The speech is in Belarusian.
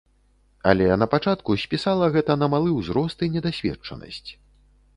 Але на пачатку спісала гэта на малы ўзрост і недасведчанасць.